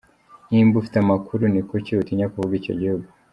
Nimba ufite amakuru, ni kuki utinya kuvuga icyo gihugu?